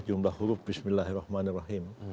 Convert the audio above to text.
jumlah huruf bismillahirrahmanirrahim